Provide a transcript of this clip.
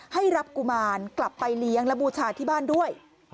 ให้รับกุมารกลับไปเลี้ยงและบูชาที่บ้านด้วย